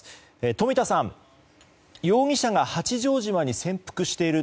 冨田さん容疑者が八丈島に潜伏している